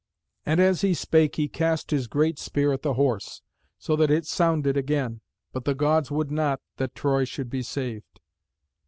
And as he spake he cast his great spear at the Horse, so that it sounded again. But the Gods would not that Troy should be saved.